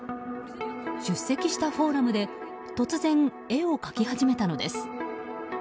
出席したフォーラムで突然、絵を描き始めたのです。